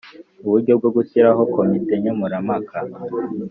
Uburyo bwo gushyiraho komite nkemurampaka